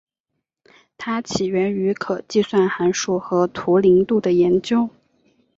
它起源于可计算函数和图灵度的研究。